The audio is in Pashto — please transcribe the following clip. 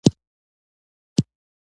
پنېر د پاک ژوند ښکارندوی دی.